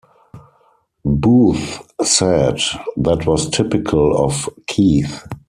Booth said That was typical of Keith.